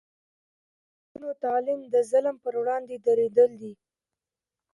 د نجونو تعلیم د ظلم پر وړاندې دریدل دي.